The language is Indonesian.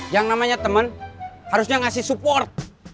yang namanya teman harusnya ngasih support